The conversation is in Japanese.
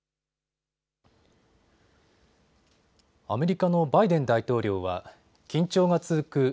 アメリカのバイデン大統領は緊張が続く